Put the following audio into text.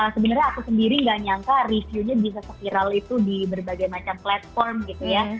sebenarnya aku sendiri gak nyangka reviewnya bisa sepiral itu di berbagai macam platform gitu ya